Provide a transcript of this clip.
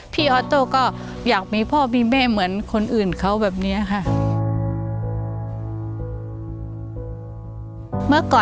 ออโต้ก็อยากมีพ่อมีแม่เหมือนคนอื่นเขาแบบนี้ค่ะ